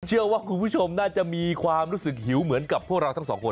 เชื่อว่าคุณผู้ชมน่าจะมีความรู้สึกหิวเหมือนกับพวกเราทั้งสองคน